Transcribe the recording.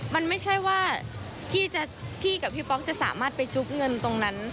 มันไม่ใช่ว่าพี่กับพี่ป๊อกจะสามารถไปจุ๊บเงินตรงนั้น